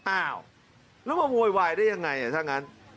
อ้าวแล้วมาโวยวายได้ยังไงถ้างั้น